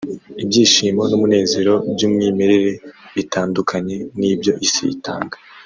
ibyishimo n’umunezero by’umwimerere bitandukanye n’ibyo isi itanga